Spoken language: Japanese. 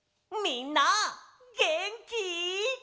みんなげんき？